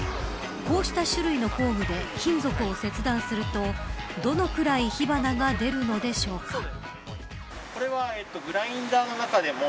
こうした種類の工具で金属を切断するとどのくらい火花が出るのでしょうか。